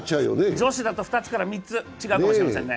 女子だと２つから３つ違うかもしれませんね。